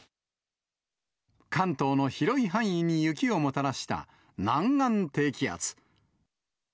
関東の広い範囲に雪をもたらした南岸低気圧。